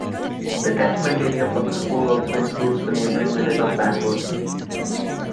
The catchment area for the school also includes the neighbouring village of Bagworth.